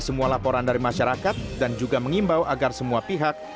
semua laporan dari masyarakat dan juga mengimbau agar semua pihak